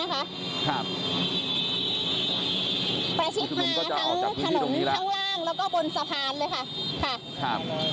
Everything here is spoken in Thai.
ประชิดมาทั้งถนนข้างล่างแล้วก็บนสะพานเลยค่ะ